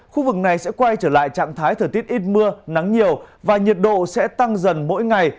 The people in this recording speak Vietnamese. khu vực này sẽ quay trở lại trạng thái thời tiết ít mưa nắng nhiều và nhiệt độ sẽ tăng dần mỗi ngày